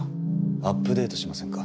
アップデートしませんか？